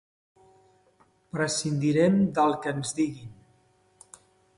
Prescindirem del que ens diguin.